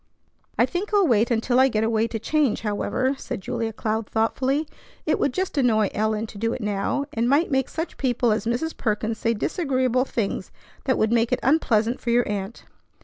"I think I'll wait until I get away to change, however," said Julia Cloud thoughtfully. "It would just annoy Ellen to do it now, and might make such people as Mrs. Perkins say disagreeable things that would make it unpleasant for your aunt."